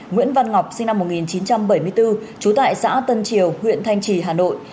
nguyễn văn ngọc sinh năm một nghìn chín trăm bảy mươi bốn trú tại xã tân triều huyện thanh trì hà nội